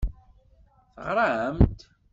Teɣram-d?